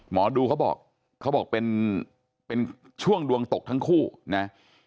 หมอดูเขาบอกเขาบอกเป็นช่วงดวงตกทั้งคู่นะ